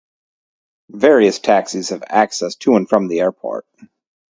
Various taxis have access to and from the airport.